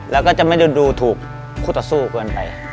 แล้วก็จะไม่ได้ดูถูกคู่ต่อสู้เกินไป